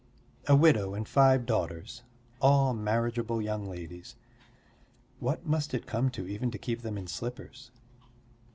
A widow and five daughters, all marriageable young ladies. What must it come to even to keep them in slippers.